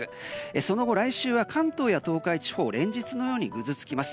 その後、来週は関東や東海地方連日のようにぐずつきます。